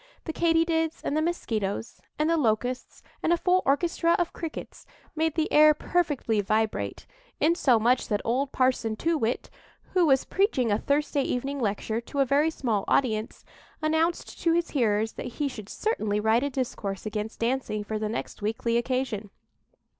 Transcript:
The Katy dids and the Mosquitoes, and the Locusts, and a full orchestra of Crickets made the air perfectly vibrate, insomuch that old Parson Too Whit, who was preaching a Thursday evening lecture to a very small audience, announced to his hearers that he should certainly write a discourse against dancing for the next weekly occasion.